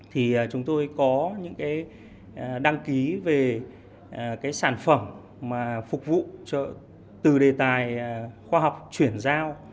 thì chúng tôi có những đăng ký về sản phẩm phục vụ từ đề tài khoa học chuyển giao